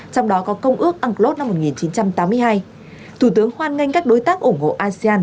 trong đó có công ước anglo năm một nghìn chín trăm tám mươi hai